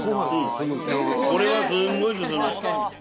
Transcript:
これはすごい進む。